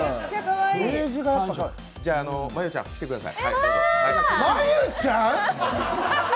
じゃ、真悠ちゃん、来てください。